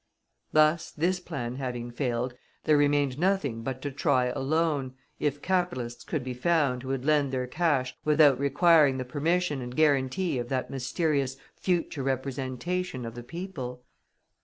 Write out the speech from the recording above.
Thus, this plan having failed, there remained nothing but to try a loan, if capitalists could be found who would lend their cash without requiring the permission and guarantee of that mysterious "future Representation of the People."